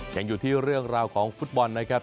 ยังอยู่ที่เรื่องราวของฟุตบอลนะครับ